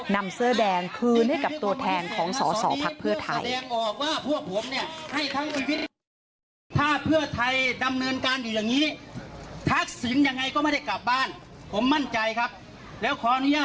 นำเสื้อแดงคืนให้กับตัวแทนของสอสอพักเพื่อไทย